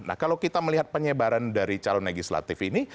nah kalau kita melihat penyebaran dari calon legislatif ini